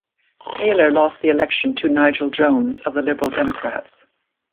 Taylor lost the election to Nigel Jones of the Liberal Democrats.